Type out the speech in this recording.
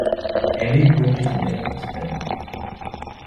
Elle est originaire d’Italie.